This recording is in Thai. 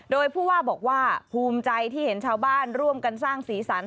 โดยผู้ว่าบอกว่าภูมิใจที่เห็นชาวบ้านร่วมกันสร้างสีสัน